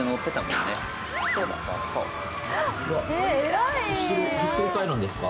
うわ後ろひっくり返るんですか？